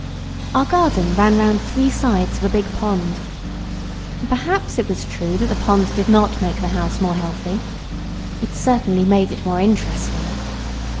Our garden ran round three sides of a big pond. Perhaps it was true that the pond did not make the house more healthy. It certainly madeit more interesting.